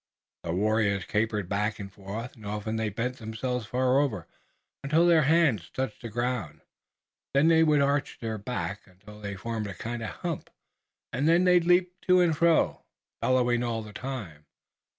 The warriors capered back and forth, and often they bent themselves far over, until their hands touched the ground. Then they would arch their backs, until they formed a kind of hump, and they leaped to and fro, bellowing all the time.